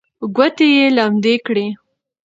ګوتې یې لمدې کړې.